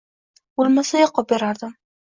Bo‘lmasa yoqib berardim